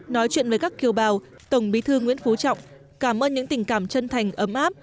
nói chuyện với các kiều bào tổng bí thư nguyễn phú trọng cảm ơn những tình cảm chân thành ấm áp